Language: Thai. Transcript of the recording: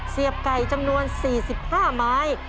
เสียบไก่จำนวน๔๕ไม้